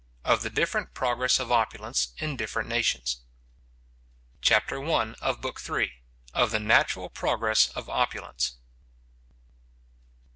OF THE DIFFERENT PROGRESS OF OPULENCE IN DIFFERENT NATIONS CHAPTER I. OF THE NATURAL PROGRESS OF OPULENCE.